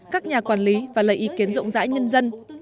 các nhà quản lý và lấy ý kiến rộng rãi nhân dân